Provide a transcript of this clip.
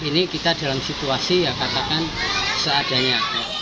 ini kita dalam situasi ya katakan seadanya